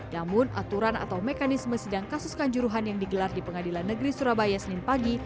namun aturan atau mekanisme sidang kasus kanjuruhan yang digelar di pengadilan negeri surabaya senin pagi